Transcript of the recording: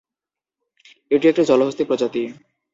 এটি একটি জলহস্তী প্রজাতি।